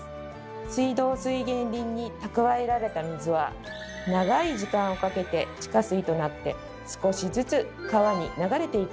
水道水源林に蓄えられた水は長い時間をかけて地下水となって少しずつ川に流れていくんです。